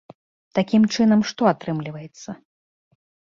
Такім чынам што атрымліваецца?